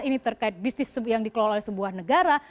ini terkait bisnis yang dikelola oleh sebuah negara